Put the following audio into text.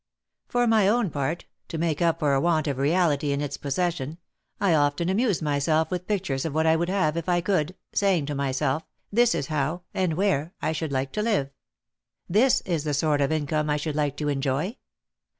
"For my own part, to make up for a want of reality in its possession, I often amuse myself with pictures of what I would have if I could, saying to myself, this is how, and where, I should like to live, this is the sort of income I should like to enjoy.